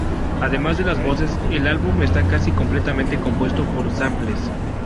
Además de las voces, el álbum está casi completamente compuesto por samples.